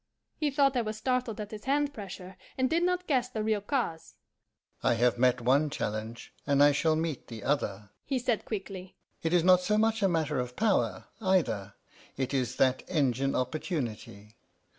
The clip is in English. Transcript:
He thought I was startled at his hand pressure, and did not guess the real cause. "'I have met one challenge, and I shall meet the other,' he said quickly. 'It is not so much a matter of power, either; it is that engine opportunity.